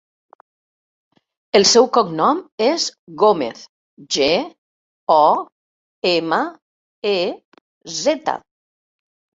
El seu cognom és Gomez: ge, o, ema, e, zeta.